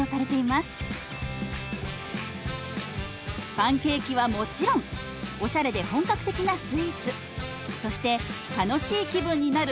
パンケーキはもちろんおしゃれで本格的なスイーツそして楽しい気分になる